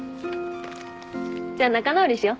じゃあ仲直りしよ。